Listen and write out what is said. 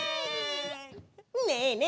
ねえねえ